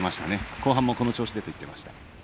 後半もこの調子でと言っていました。